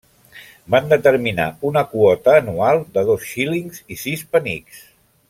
Van determinar una quota anual de dos xílings i sis penics.